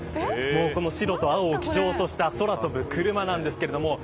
白と青を基調とした空飛ぶクルマなんですけれども。